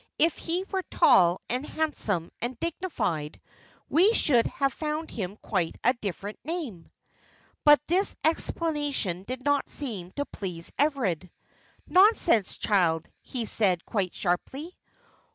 If he were tall, and handsome, and dignified, we should have found him quite a different name." But this explanation did not seem to please Everard. "Nonsense, child!" he said, quite sharply.